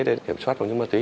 để kiểm soát vào những ma túy